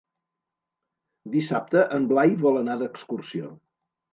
Dissabte en Blai vol anar d'excursió.